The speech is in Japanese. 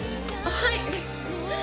はい。